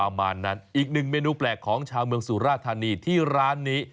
ประมาณนั้นอีกหนึ่งเมนูแปลกของชาวเมืองสุราธานีที่ร้านนี้